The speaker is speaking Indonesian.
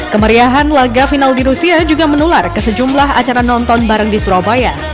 kemeriahan laga final di rusia juga menular ke sejumlah acara nonton bareng di surabaya